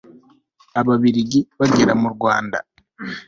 ababiligi bagera mu rwanda